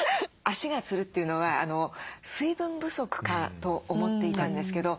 足がつるっていうのは水分不足かと思っていたんですけど